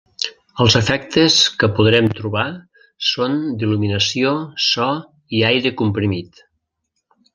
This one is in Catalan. Els efectes que podrem trobar són d'il·luminació, so i aire comprimit.